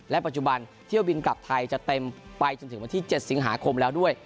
ปัจจุบันเที่ยวบินกลับไทยจะเต็มไปจนถึงวันที่๗สิงหาคมแล้วด้วย